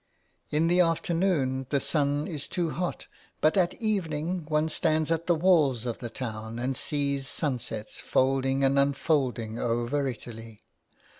In the afternoon the sun is too hot, but at evening one stands at the walls of the town and sees sunsets folding and unfolding over Italy.